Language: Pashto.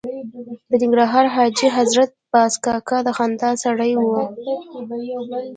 د ننګرهار حاجي حضرت باز کاکا د خندا سړی و.